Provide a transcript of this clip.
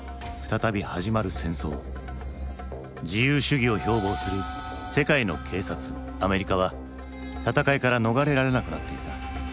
自由主義を標ぼうする世界の警察アメリカは戦いから逃れられなくなっていた。